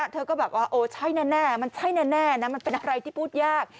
เราก็ว่าใช่แน่มันเป็นอะไรที่พูดแยก